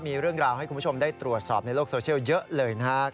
มีเรื่องราวให้คุณผู้ชมได้ตรวจสอบในโลกโซเชียลเยอะเลยนะครับ